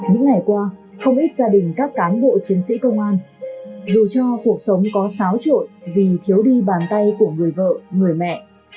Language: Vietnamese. những ngày qua không ít gia đình các cán bộ chiến sĩ công an dù cho cuộc sống có xáo trộn vì thiếu đi bàn tay của người vợ người mẹ